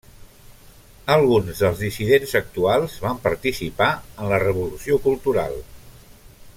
Alguns dels dissidents actuals van participar en la Revolució Cultural.